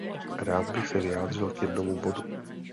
Rád bych se vyjádřil k jednomu bodu.